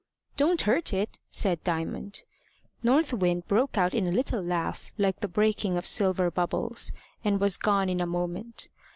"Don't hurt it," said Diamond. North Wind broke out in a little laugh like the breaking of silver bubbles, and was gone in a moment.